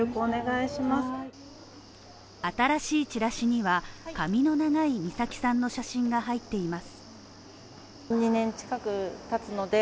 新しいチラシには髪の長い美咲さんの写真が入っています。